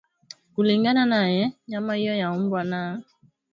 Kulingana naye nyama hiyo ya mbwa na